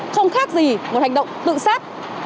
không khác gì một hành động tự sát